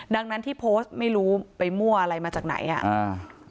ดังนั้นที่โพสต์ไม่รู้ไปมั่วอะไรมาจากไหนอ่ะอ่า